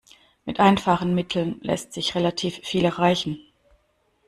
Mit einfachen Mitteln lässt sich relativ viel erreichen.